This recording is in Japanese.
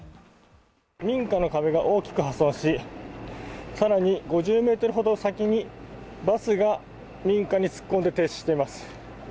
民家の壁が大きく破損し更に５０ｍほど先にバスが民家に突っ込んで停止しています。